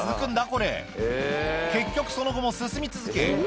これ結局その後も進み続け